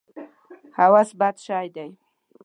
هوس بد شی دی.